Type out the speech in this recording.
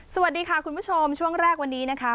สวัสดีค่ะคุณผู้ชมช่วงแรกวันนี้นะคะ